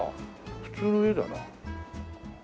普通の家だな。